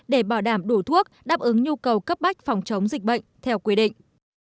để bảo đảm đủ thuốc đáp ứng nhu cầu cấp bách phòng chống dịch bệnh theo quy định